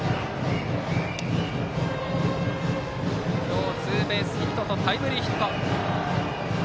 今日、ツーベースヒットとタイムリーヒット。